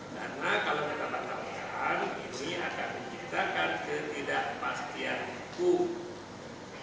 karena kalau kita batalkan ini akan menciptakan ketidakpastian hukum